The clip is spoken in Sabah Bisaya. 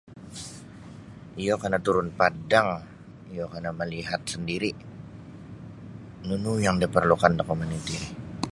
Iyo kana turun padang iyo kana melihat sendiri nunu yang diperlukan da komuniti ri